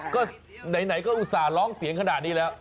ก็ไหนก็อุตส่าห์ร้องเสียงขนาดนี้แล้ว